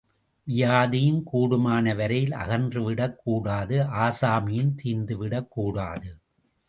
வியாதியும் கூடுமான வரையில் அகன்று விடக் கூடாது, ஆசாமியும் தீர்ந்து விடக் கூடாது.